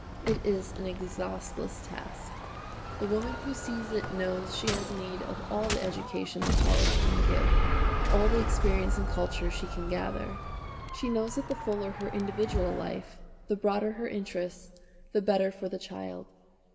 It is an exhaustless task. The woman who sees it knows she has need of all the education the college can give, all the experience and culture she can gather. She knows that the fuller her individual life, the broader her interests, the better for the child.